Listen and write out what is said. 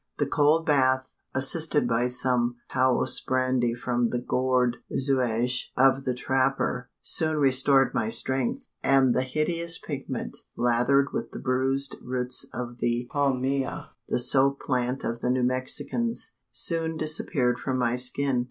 The cold bath, assisted by some Taos brandy from the gourd xuage of the trapper, soon restored my strength; and the hideous pigment, lathered with the bruised roots of the palmilla the soap plant of the New Mexicans, soon disappeared from my skin.